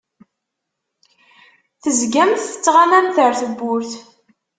Tezgamt tettɣamamt ar tewwurt.